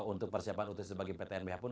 untuk persiapan ut sebagai ptnbh pun